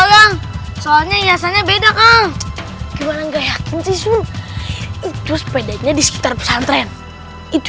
tolong soalnya hiasannya beda kang gimana enggak yakin sih itu sepedanya di sekitar pesantren itu